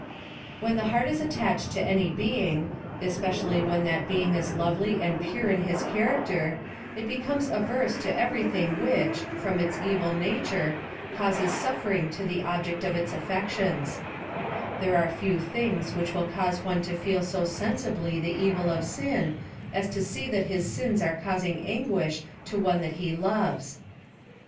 When the heart is attached to any being, espe cially when that being is lovely and pure in his character, it becomes averse to every thing which, from its evil nat.ire, causes suffering to the object PLAN OF SALVATION. 190 of it5 afFections. There are few things which will cause one to feel so sensibly the evil of sin,, as to see that his sins axe causing anguish to one that he loves.